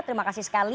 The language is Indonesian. terima kasih sekali